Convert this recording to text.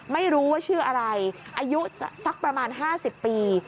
ไม่รู้ว่าชื่ออะไรอายุสักประมาณ๕๐ปี